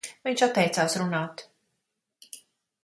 Viņš atteicās runāt.